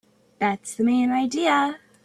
That's the main idea.